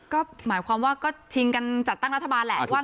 ก็หมายความว่าก็ทิ้งกันจัดตั้งรัฐบาลแหละอ่ะถูกต้อง